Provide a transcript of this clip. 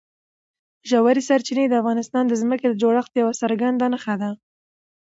ژورې سرچینې د افغانستان د ځمکې د جوړښت یوه څرګنده نښه ده.